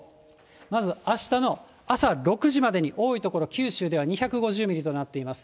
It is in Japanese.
まずあしたの朝６時までに多い所、九州では２５０ミリとなっています。